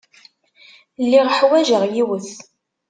Lliɣ ḥwajeɣ yiwet.